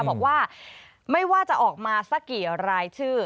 บอกว่าไม่ว่าจะออกมาสักกี่รายชื่อ